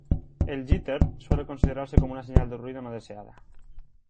El "jitter" suele considerarse como una señal de ruido no deseada.